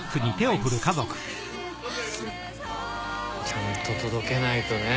ちゃんと届けないとね。